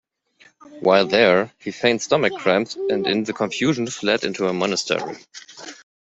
While there, he feigned stomach cramps and in the confusion fled into a monastery.